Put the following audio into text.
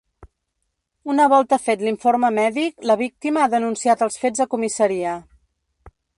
Una volta fet l’informe mèdic, la víctima ha denunciat els fets a comissaria.